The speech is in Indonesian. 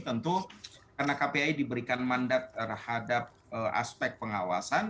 tentu karena kpi diberikan mandat terhadap aspek pengawasan